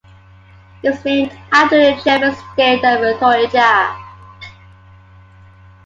It is named after the German state of Thuringia.